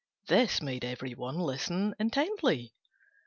This made every one listen intently.